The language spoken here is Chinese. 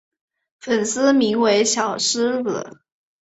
粉丝名为小狮子。